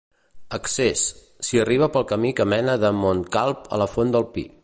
Accés: s'hi arriba pel camí que mena de Montcalb a la Font del Pi.